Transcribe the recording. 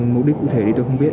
mục đích cụ thể thì tôi không biết